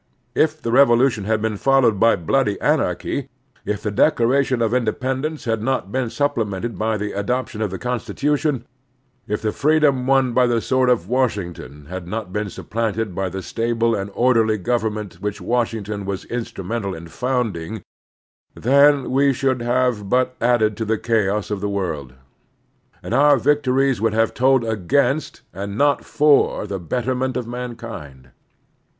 K the Revolution had been followed by bloody anarchy* 2oi The Strenuous Life if the Declaration of Independence had not been supplemented by the adoption of the Constitution, if the freedom won by the sword of Washington had not been supplemented by the stable and orderly government which Washington was instru mental in fottnding, then we should have but added to the chaos of the world, and our victories would have told against and not for the betterment of mankind.